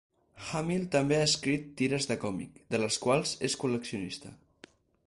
Hamill també ha escrit tires de còmic, de les quals és col·leccionista.